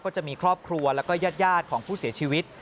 จะมีครอบครัวแล้วก็ญาติของผู้เสียชีวิต